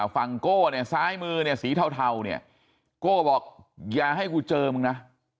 โก้เนี่ยซ้ายมือเนี่ยสีเทาเนี่ยโก้บอกอย่าให้กูเจอมึงนะ